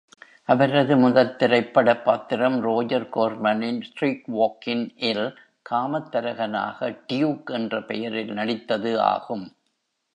அவரது முதல் திரைப்படப் பாத்திரம் ரோஜர் கோர்மனின் "ஸ்ட்ரீட்வாக்கின்" -இல் காமத்தரகனாக டியூக் என்ற பெயரில் நடித்தது ஆகும்.